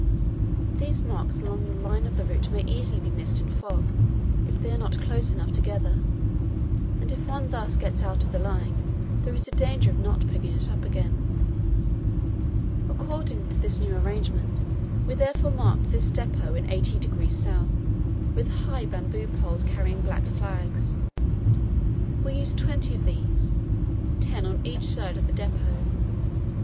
These marks along the line of the route may easily be missed in fog, if they are not close enough together; and if one thus gets out of the line, there is a danger of not picking it up again. According to this new arrangement we therefore marked this depot in 80° S. with high bamboo poles carrying black flags. We used twenty of these ten on each side of the depot.